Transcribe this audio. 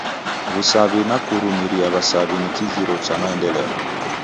W'usaw'i na kurumiria w'asaw'i ni kighirio cha maendeleo.